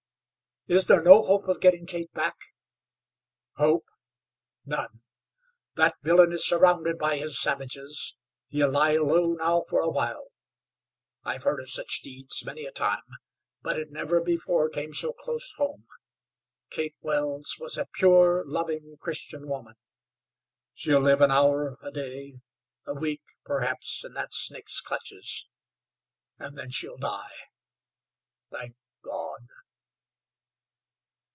"Is there no hope of getting Kate back?" "Hope? None. That villain is surrounded by his savages. He'll lie low now for a while. I've heard of such deeds many a time, but it never before came so close home. Kate Wells was a pure, loving Christian woman. She'll live an hour, a day, a week, perhaps, in that snake's clutches, and then she'll die. Thank God!"